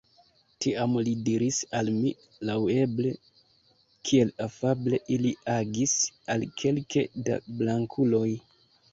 Tiam li diris al mi laŭeble, kiel afable ili agis al kelke da blankuloj.